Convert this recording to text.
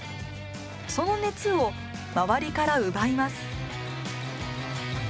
その熱をまわりからうばいます